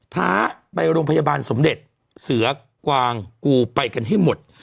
ท้าไปโรงพยาบาลสมเด็จเสือกวางกูไปกันให้หมด